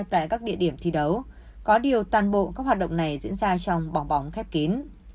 tại các địa điểm thi đấu có điều toàn bộ các hoạt động này diễn ra trong bóng bóng khép kín